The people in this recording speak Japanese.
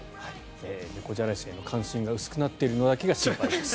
猫じゃらしへの関心が薄くなっているのだけが心配です。